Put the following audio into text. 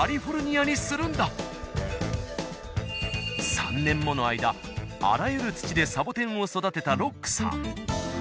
３年もの間あらゆる土でサボテンを育てたロックさん。